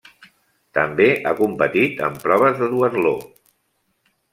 També ha competit en proves de duatló.